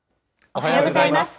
おはようございます。